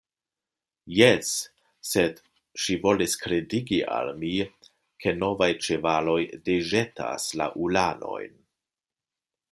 Jes, sed ŝi volis kredigi al mi, ke novaj ĉevaloj deĵetas la ulanojn.